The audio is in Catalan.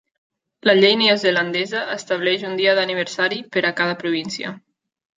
La llei neozelandesa estableix un dia d'aniversari per a cada província.